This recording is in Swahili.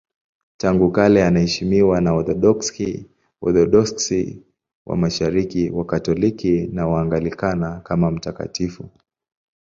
Tangu kale anaheshimiwa na Waorthodoksi, Waorthodoksi wa Mashariki, Wakatoliki na Waanglikana kama mtakatifu.